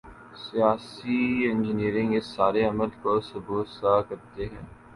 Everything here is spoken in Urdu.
'سیاسی انجینئرنگ‘ اس سارے عمل کو سبوتاژ کر دے گی۔